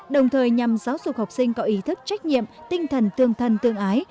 đồng thời nhằm giáo dục học sinh có ý thức trách nhiệm tinh thần tương thân tương ái